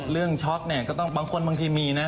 ช็อตเนี่ยก็ต้องบางคนบางทีมีนะ